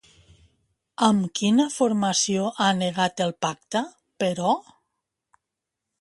Amb quina formació ha negat el pacte, però?